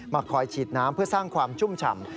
คอยฉีดน้ำเพื่อสร้างความชุ่มฉ่ำ